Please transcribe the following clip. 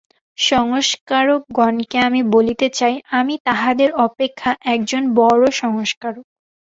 সংস্কারকগণকে আমি বলিতে চাই, আমি তাঁহাদের অপেক্ষা একজন বড় সংস্কারক।